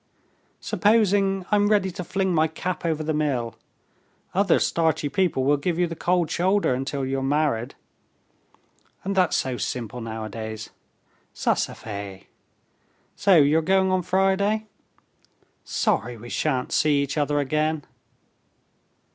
Supposing I'm ready to fling my cap over the mill, other starchy people will give you the cold shoulder until you're married. And that's so simple nowadays. Ça se fait. So you're going on Friday? Sorry we shan't see each other again."